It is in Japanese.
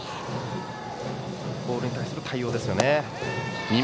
ボールに対する対応ですね。